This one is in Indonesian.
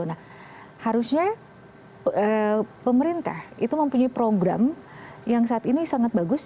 nah harusnya pemerintah itu mempunyai program yang saat ini sangat bagus